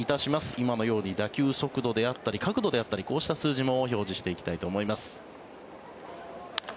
今のように打球速度であったり角度であったりこうした数字もご覧いただきたいと思います。